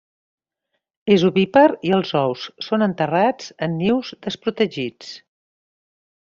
És ovípar i els ous són enterrats en nius desprotegits.